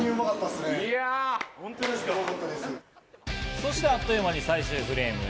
そして、あっという間に最終フレームへ。